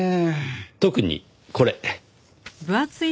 特にこれ。